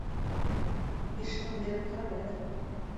Биш мең биреп тор әле.